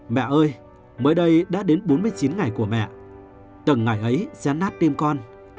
mẹ ơi mới đây đã đến bốn mươi chín ngày của mẹ từng ngày ấy sẽ nát tim con